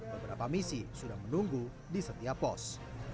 beberapa misi sudah menunggu di setiap pos